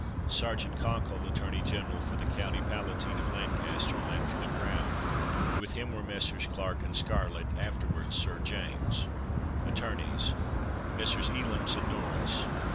Sergeant Cockle, Attorney General for the County Palatine of Lancaster, led for the crown; with him were Messrs. Clark and Scarlett (afterwards Sir James); attorneys, Messrs. Ellames and Norris.